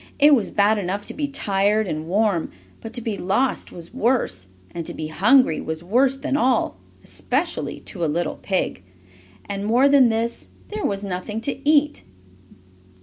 It was bad enough to be tired and warm, but to be lost was worse, and to be hungry was worse than all especially to a little pig. And, more than this, there was nothing to eat.